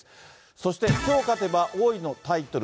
そして、きょう勝てば王位のタイトル